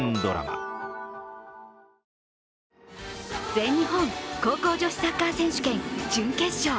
全日本高校女子サッカー選手権準決勝。